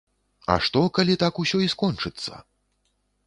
А што, калі так усё і скончыцца?